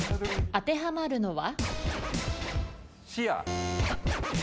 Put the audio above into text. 当てはまるのは？